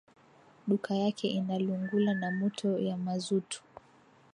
Duka yake inalungula na moto ya mazutu